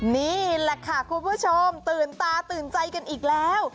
นี่แหละค่ะคุณผู้ชมตื่นตาตื่นใจกันอีกแล้ว